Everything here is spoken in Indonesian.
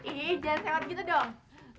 ih jangan sewat gitu dong